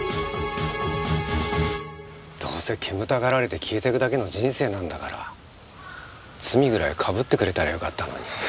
どうせ煙たがられて消えてくだけの人生なんだから罪ぐらいかぶってくれたらよかったのに。